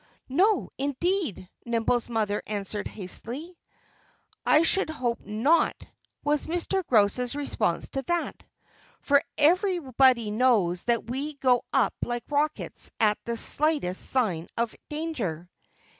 "No, indeed!" Nimble's mother answered hastily. "I should hope not!" was Mr. Grouse's response to that. "For everybody knows that we go up like rockets at the slightest sign of danger."